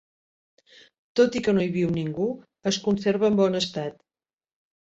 Tot i que no hi viu ningú, es conserva en bon estat.